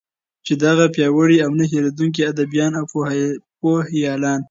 چې دغه پیاوړي او نه هیردونکي ادېبان او پوهیالان